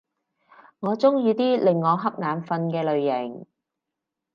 我鍾意啲令我瞌眼瞓嘅類型